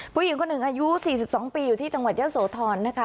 ผู้หญิงคนหนึ่งอายุ๔๒ปีอยู่ที่จังหวัดเยอะโสธรนะคะ